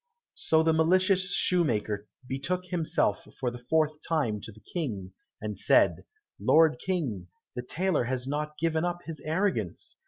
So the malicious shoemaker betook himself for the fourth time to the King, and said, "Lord King, the tailor has not given up his arrogance.